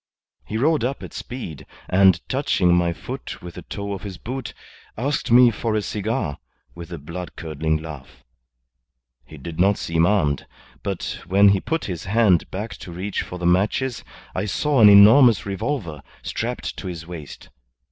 He rode up at speed, and touching my foot with the toe of his boot, asked me for a cigar, with a blood curdling laugh. He did not seem armed, but when he put his hand back to reach for the matches I saw an enormous revolver strapped to his waist.